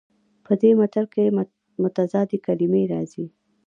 په دې متل کې متضادې کلمې راغلي دي